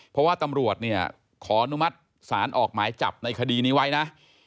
เพราะว่าตำรวจเนี่ยขออนุมัติศาลออกหมายจับในคดีนี้ไว้นะ